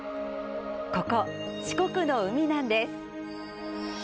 ここ四国の海なんです！